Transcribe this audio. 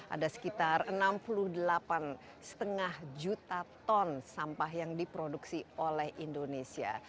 ada sekitar enam puluh delapan lima juta ton sampah yang diproduksi oleh indonesia